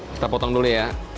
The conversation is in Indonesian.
kita potong dulu ya